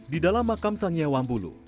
di dalam makam sang yawambulu